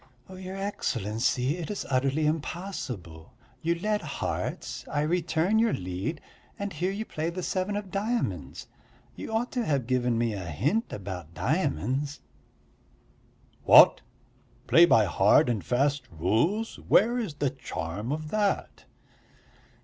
"Your Excellency, it's utterly impossible. You led hearts, I return your lead, and here you play the seven of diamonds. You ought to have given me a hint about diamonds." "What, play by hard and fast rules? Where is the charm of that?"